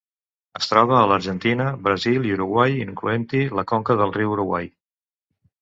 Es troba a l'Argentina, Brasil i Uruguai, incloent-hi la conca del riu Uruguai.